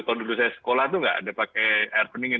kalau dulu saya sekolah itu nggak ada pakai air pendingin